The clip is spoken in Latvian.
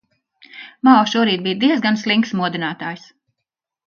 Mao šorīt bija diezgan slinks modinātājs.